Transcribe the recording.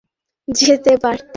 যাওয়ার আগে অন্তত বলে যেতে পারতে।